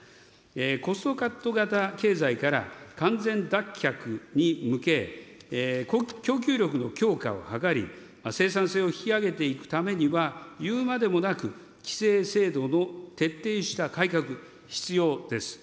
コストカット型経済から完全脱却に向け、供給力の強化を図り、生産性を引き上げていくためには、言うまでもなく、規制制度の徹底した改革、必要です。